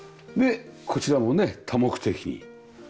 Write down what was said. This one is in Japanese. でこちらもね多目的に。